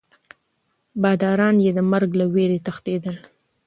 باداران یې د مرګ له ویرې تښتېدل.